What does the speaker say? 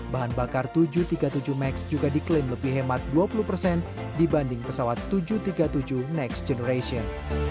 bahan bakar tujuh ratus tiga puluh tujuh max juga diklaim lebih hemat dua puluh persen dibanding pesawat tujuh ratus tiga puluh tujuh next generation